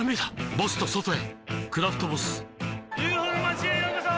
ボスと外へ「クラフトボス」ＵＦＯの町へようこそ！